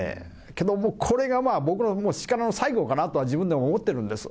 けど、もうこれが僕の力の最後かなとは、自分でも思ってるんです。